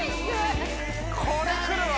これくるわ！